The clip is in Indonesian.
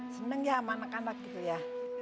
seneng ya sama anak anak gitu ya